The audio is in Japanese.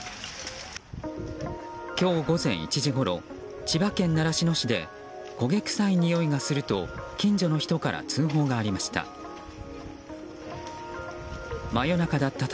今日午前１時ごろ千葉県習志野市で焦げ臭いにおいがすると近所の人から通報がありました。